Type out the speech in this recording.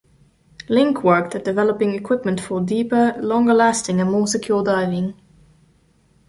Link worked at developing equipment for deeper, longer lasting and more secure diving.